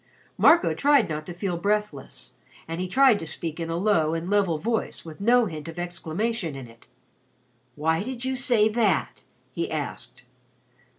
Marco tried not to feel breathless, and he tried to speak in a low and level voice with no hint of exclamation in it. "Why did you say that?" he asked.